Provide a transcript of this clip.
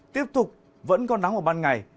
tiếp tục vẫn có nắng ở ban ngày